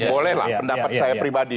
bolehlah pendapat saya pribadi